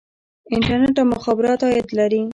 انټرنیټ او مخابرات عاید لري